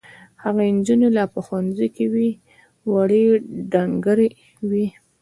هغه نجونې لا په ښوونځي کې وې وړې ډنګرې وې.